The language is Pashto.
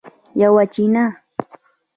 یوه چینه